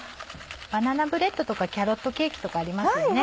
バナナブレッドとかキャロットケーキとかありますよね。